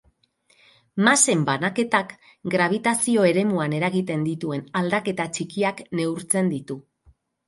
Masen banaketak grabitazio-eremuan eragiten dituen aldaketa txikiak neurtzen ditu.